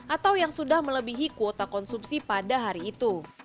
atau yang sudah melebihi kuota konsumsi pada hari itu